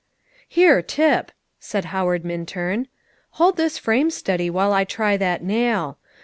"Here Tip!" said Howard Minturn; "hold this frame steady while I try that nail.